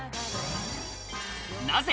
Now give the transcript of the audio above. なぜ？